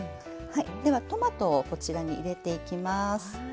ではトマトをこちらに入れていきます。